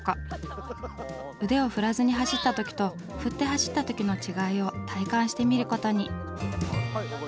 腕を振らずに走った時と振って走った時の違いを体感してみることに。